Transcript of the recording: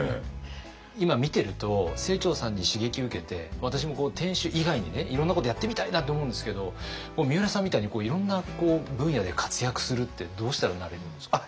今見てると清張さんに刺激受けて私も店主以外にいろんなことやってみたいなって思うんですけどみうらさんみたいにいろんな分野で活躍するってどうしたらなれるんですか？